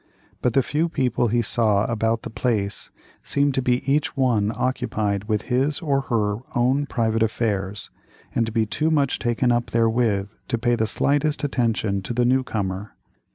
But the few people he saw about the place seemed to be each one occupied with his or her own private affairs, and to be too much taken up therewith to pay the slightest attention to the new comer.